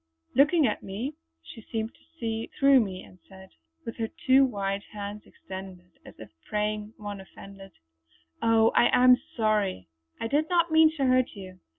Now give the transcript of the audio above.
Looking at me, she seemed to see through me and said "With her two white hands extended, as if praying one offended:" "Oh, I am sorry! I did not mean to hurt you.